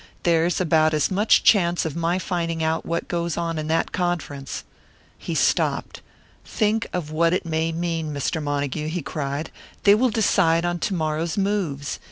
There's about as much chance of my finding out what goes on in that conference " He stopped. "Think of what it may mean, Mr. Montague," he cried. "They will decide on to morrow's moves!